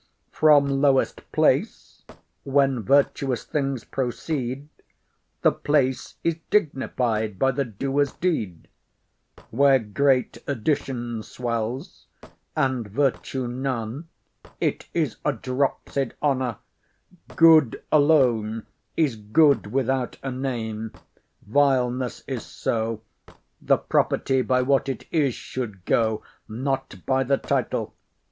From lowest place when virtuous things proceed, The place is dignified by the doer's deed. Where great additions swell's, and virtue none, It is a dropsied honour. Good alone Is good without a name; vileness is so: The property by what it is should go, Not by the title.